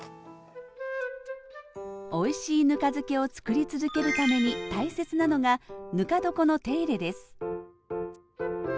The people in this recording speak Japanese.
おいしいぬか漬けをつくり続けるために大切なのがぬか床の手入れです